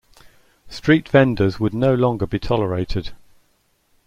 Street vendors would be no longer be tolerated.